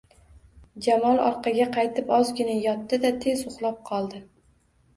Jamol orqaga qaytib ozgina yotdi-da, tezda uxlab qoldi